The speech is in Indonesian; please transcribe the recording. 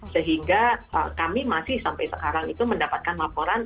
sehingga kami masih sampai sekarang itu mendapatkan laporan